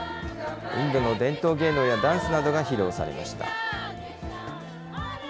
インドの伝統芸能やダンスなどが披露されました。